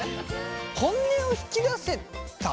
本音を引き出せた？